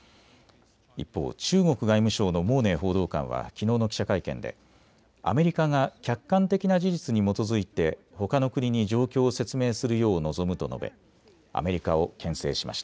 一方、中国外務省の毛寧報道官はきのうの記者会見でアメリカが客観的な事実に基づいてほかの国に状況を説明するよう望むと述べアメリカをけん制しました。